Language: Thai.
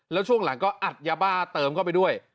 แล้วช่วงหลังก็อัดยาบ้าเติมเข้าไปด้วย